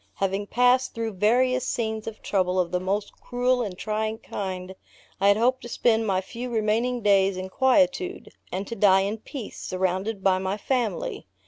Having passed through various scenes of trouble of the most cruel and trying kind, I had hoped to spend my few remaining days in quietude, and to die in peace, surrounded by my family.